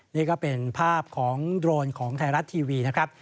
นี่ก็เป็นภาพของโดรนของไทยรัฐทีวีนะครับ